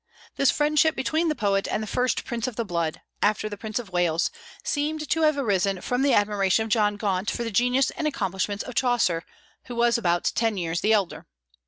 This friendship between the poet and the first prince of the blood, after the Prince of Wales, seems to have arisen from the admiration of John of Gaunt for the genius and accomplishments of Chaucer, who was about ten years the elder.